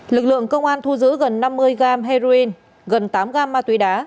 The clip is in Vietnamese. lực lượng công an thu giữ gần năm mươi gram heroin gần tám gram ma túy đá